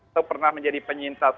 atau pernah menjadi penyintas